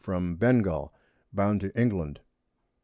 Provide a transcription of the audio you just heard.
from Bengall, bound to England.